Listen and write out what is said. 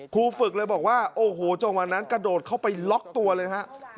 ครูฝึกเลยบอกว่าโอ้โหจังหวะนั้นกระโดดเข้าไปล็อกตัวเลยฮะ